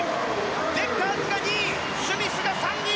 デッカーズが２位スミスが３位。